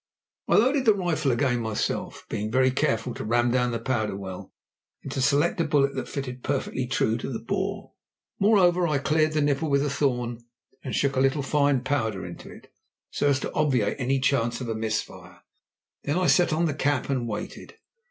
I loaded the rifle again myself, being very careful to ram down the powder well and to select a bullet that fitted perfectly true to the bore. Moreover, I cleared the nipple with a thorn, and shook a little fine powder into it, so as to obviate any chance of a miss fire. Then I set on the cap and waited.